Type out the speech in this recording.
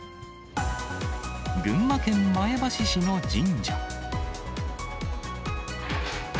群馬県前橋市の神社。